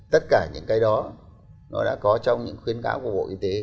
tất cả những cái đó nó đã có trong những khuyến cáo của bộ y tế